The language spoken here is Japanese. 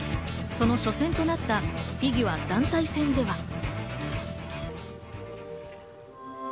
その初戦となったフィギュア団体戦では。